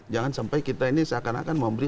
jangan sampai kita ini seakan akan memberi